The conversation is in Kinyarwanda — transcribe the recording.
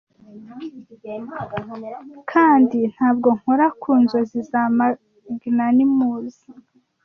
kandi ntabwo nkora ku nzozi za magnanimous